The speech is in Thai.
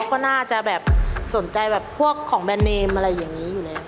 ก็น่าจะแบบสนใจแบบพวกของแบรนดเนมอะไรอย่างนี้อยู่แล้ว